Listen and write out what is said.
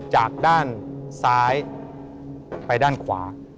จากด้านซ้ายไปด้านขวา